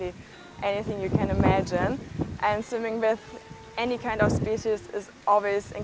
selalu sangat luar biasa menelan dengan jenis jenis biologi